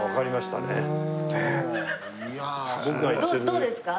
どうですか？